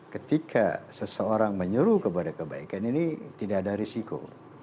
ketika seseorang menyuruh kepada kebaikan ini tidak ada risiko